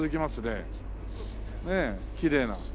ねえきれいな。